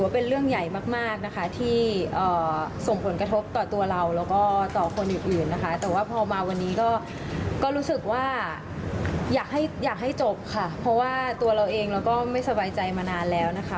เพราะว่าตัวเราเองเราก็ไม่สบายใจมานานแล้วนะคะ